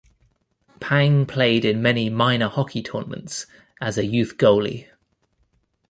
Pang played in many minor hockey tournaments as a youth goalie.